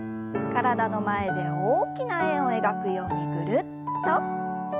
体の前で大きな円を描くようにぐるっと。